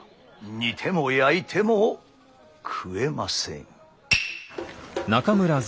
煮ても焼いても食えません。